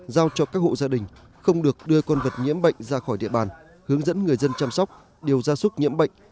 giao cho các hộ gia đình không được đưa con vật nhiễm bệnh ra khỏi địa bàn hướng dẫn người dân chăm sóc điều gia súc nhiễm bệnh